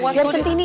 biarin sentih nih